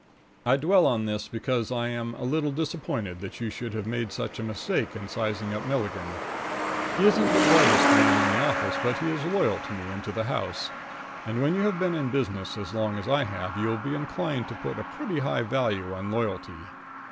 I dwell on this because I am a little disappointed that you should have made such a mistake in sizing up Milligan. He isn't the brightest man in the office, but he is loyal to me and to the house, and when you have been in business as long as I have you will be inclined to put a pretty high value on loyalty.